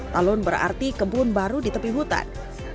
talun berarti kebun baru di tepi hutan